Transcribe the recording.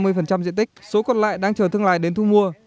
với hơn ba mươi diện tích số còn lại đang chờ thương lại đến thu mua